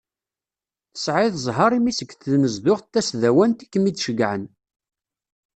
Tesɛiḍ zher imi seg tnezduɣt tasdawant i kem-id-ceggɛen.